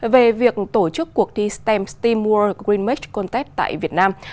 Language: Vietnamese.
về việc tổ chức cuộc thi stem steam world green match contest tại việt nam